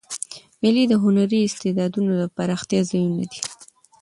مېلې د هنري استعدادو د پراختیا ځایونه دي.